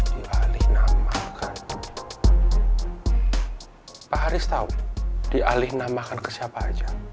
dialihnamakan pak haris tahu dialihnamakan ke siapa saja